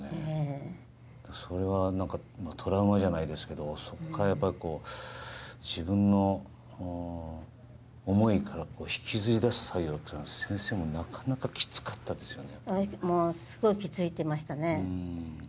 それはトラウマじゃないですけど自分の思いから引きずり出す作業というのは先生もなかなかきつかったですよね。